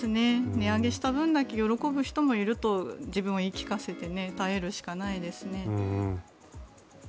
値上げした分だけ喜ぶ人もいると自分に言い聞かせて耐えるしかないですね。